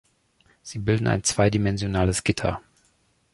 Sie bilden ein zweidimensionales Gitter.